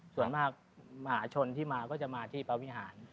ส่วนมากมหาชนที่มาก็จะมาที่พระวิหาร